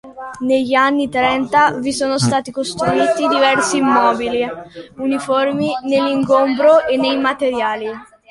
Negli anni trenta vi sono stati costruiti diversi immobili uniformi nell'ingombro e nei materiali.